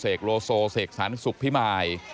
เสกโรโซเสกสรรสุภิมัย